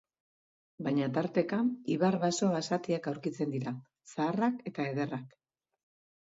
Baina tarteka ibar-baso basatiak aurkitzen dira, zaharrak eta ederrak.